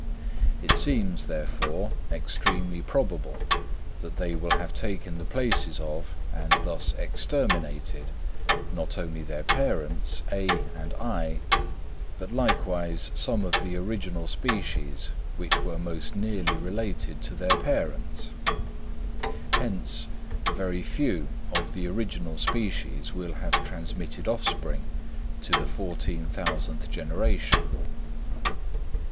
It seems, therefore, extremely probable that they will have taken the places of, and thus exterminated, not only their parents (A) and (I), but likewise some of the original species which were most nearly related to their parents. Hence very few of the original species will have transmitted offspring to the fourteen thousandth generation.